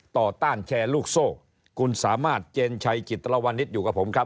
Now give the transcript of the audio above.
ต้านแชร์ลูกโซ่คุณสามารถเจนชัยจิตรวรรณิตอยู่กับผมครับ